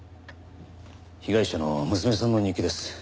被害者の娘さんの日記です。